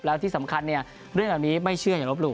แล้วที่สำคัญเนี่ยเรื่องเหล่านี้ไม่เชื่ออย่าลบหลู